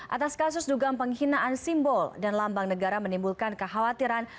atas kasus dugaan penghinaan simbol dan lambang negara menimbulkan kekhawatiran